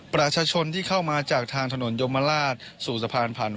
ประชาชนที่เข้ามาจากทางถนนยมมราชประถงที่๑